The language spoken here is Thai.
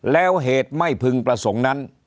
แล้วเหตุไม่พึงประสงค์นั้น